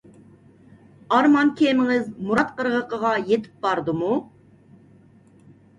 ئارمان كېمىڭىز مۇراد قىرغىقىغا يىتىپ باردىمۇ؟